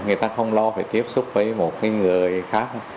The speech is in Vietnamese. người ta không lo phải tiếp xúc với một người khác